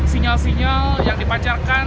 sinyal sinyal yang dipancarkan